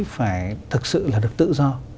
phải thực sự là được tự do